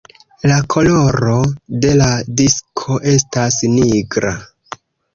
La koloro de la disko estas nigra.